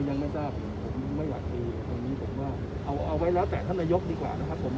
พ่อยังไม่ทราบผมทั้งนี้ผมว่าเอาไว้แล้วแต่ท่านนายกล่านี่กว่านะครับ